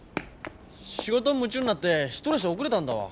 仕事に夢中になってひと列車遅れたんだわ。